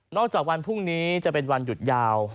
จากวันพรุ่งนี้จะเป็นวันหยุดยาว